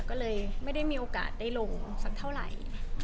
ก็เลยไม่ได้มีโอกาสได้ลงสักเท่าไหร่